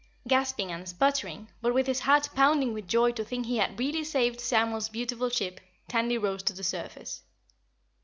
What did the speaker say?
Gasping and sputtering, but with his heart pounding with joy to think he had really saved Samuel's beautiful ship, Tandy rose to the surface.